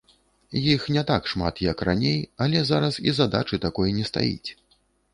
Іх не так шмат, як раней, але зараз і задачы такой не стаіць.